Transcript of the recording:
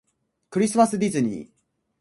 クリスマスディズニー